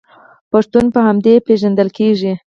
پښتون په همدې پیژندل کیږي.